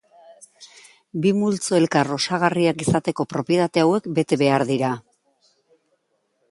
Bi multzo elkar osagarriak izateko propietate hauek bete behar dira.